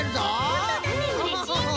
ほんとうだねうれしいね。